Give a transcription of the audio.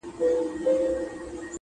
راځه جهاني جوړ سو د پردېسو اوښکو کلی٫